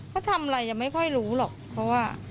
เขาทำอะไรยังไม่ค่อยรู้หรอกเพราะว่า